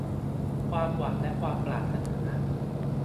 ความหวังและความปรารถนา